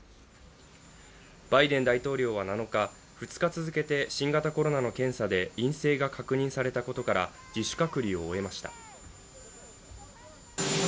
バイデン大統領は７日２日続けて新型コロナの検査で陰性が確認されたことから自主隔離を終えました。